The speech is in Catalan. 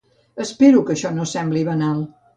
Espero que això no sembli banal.